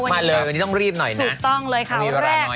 มาเลยวันนี้ต้องรีบหน่อยนะถูกต้องเลยครับต้องมีเวลาหน่อยมาก